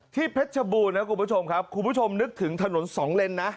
เพชรบูรณนะคุณผู้ชมครับคุณผู้ชมนึกถึงถนนสองเลนนะ